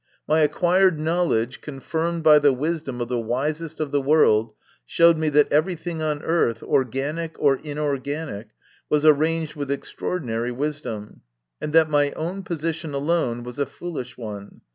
My acquired knowledge, confirmed by the wisdom of the wisest of the world, showed me that everything on earth, organic or inorganic, was arranged with extraordinary wisdom, and that my own position alone was a foolish one.